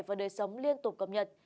và đời sống liên tục cập nhật